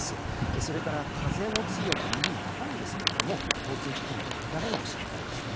それから風も強く波も高いんですけれども交通機関への乱れも心配ですね。